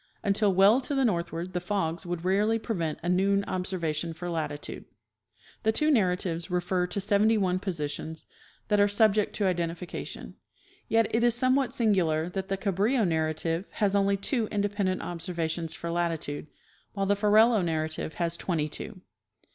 Until well to the northward the fogs would rarely prevent a noon observation for latitude. The two narratives refer to seventy one positions that are sub ject to identification ; yet it is somewhat singular that the Cabrillo narrative has only two independent observations for latitude, while the Ferrelo narrative has twentj^ two.